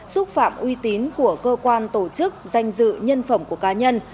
xúc phạm uy tín của cơ quan tổ chức danh dự nhân phẩm của cá nhân